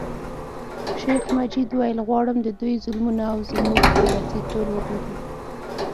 شیخ مجید ویل غواړم د دوی ظلمونه او زموږ بې وسي ټول وګوري.